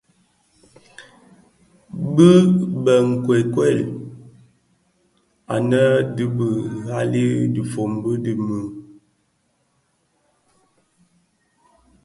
Bi bë nkikuel, anë a dhi bi ghali dhifombi di bëmun.